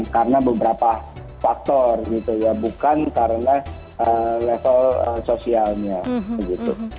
dan itu adalah beberapa faktor gitu ya bukan karena level sosialnya gitu